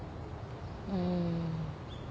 うん。